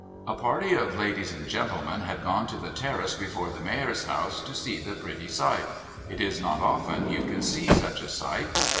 A party of ladies and gentlemen had gone to the terrace before the Mayor's house to see the pretty sight it is not often you can see such a sight.